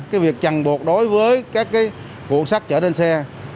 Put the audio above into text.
cái việc chẳng buộc đối với các cái vụ sắt chở lên xe